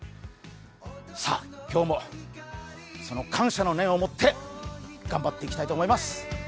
さあ、今日もその感謝の念を持って頑張っていきたいと思います。